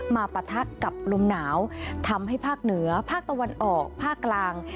ปะทะกับลมหนาวทำให้ภาคเหนือภาคตะวันออกภาคกลาง